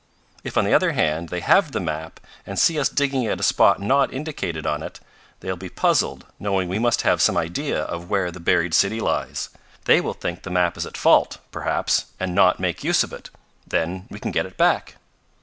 "If, on the other hand, they have the map, and see us digging at a spot not indicated on it, they will be puzzled, knowing we must have some idea of where the buried city lies. They will think the map is at fault, perhaps, and not make use of it. Then we can get it back."